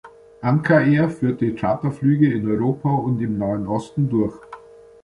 Anka Air führte Charterflüge in Europa und im Nahen Osten durch.